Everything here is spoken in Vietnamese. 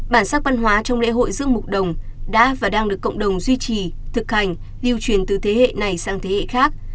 bản sắc văn hóa trong lễ hội dương mục đồng đã và đang được cộng đồng duy trì thực hành lưu truyền từ thế hệ này sang thế hệ khác